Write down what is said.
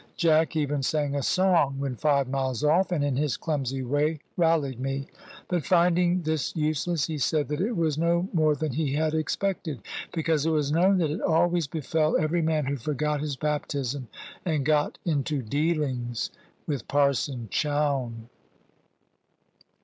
Jack even sang a song when five miles off, and in his clumsy way rallied me. But finding this useless, he said that it was no more than he had expected; because it was known that it always befell every man who forgot his baptism, and got into dealings with Parson Chowne.